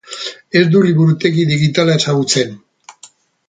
Ez dut liburutegi digitala ezagutzen.